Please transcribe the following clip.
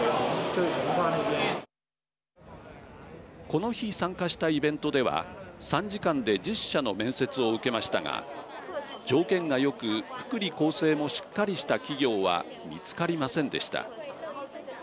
この日参加したイベントでは３時間で１０社の面接を受けましたが条件がよく福利厚生もしっかりした企業は見つかりませんでした。